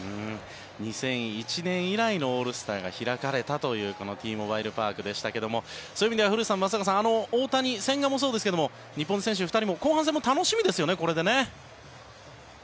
２００１年以来のオールスターが開かれたというＴモバイル・パークでしたがそういう意味では古田さん、松坂さん大谷、千賀もそうですが日本の選手２人も、後半戦もこれで楽しみですよね。